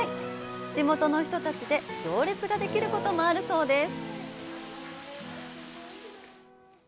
地元の人たちで行列ができることもあるそうです。